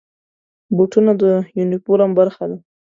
بوټونه د یونیفورم برخه ده.